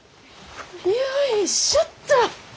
よいしょっと！